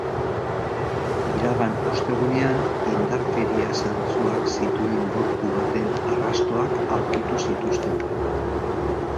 Iragan ostegunean, indarkeria zantzuak zituen gorpu baten arrastoak aurkitu zituzten.